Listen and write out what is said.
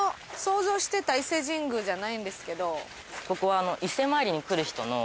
ここは。